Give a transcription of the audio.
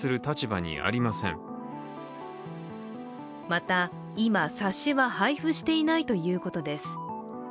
また今、冊子は配布していないということです。